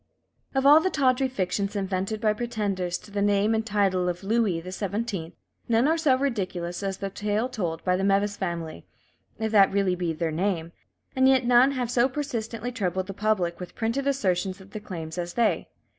Of all the tawdry fictions invented by pretenders to the name and title of "Louis the Seventeenth," none are so ridiculous as the tale told by the Meves family, if that really be their name, and yet none have so persistently troubled the public with printed assertions of their claims as they.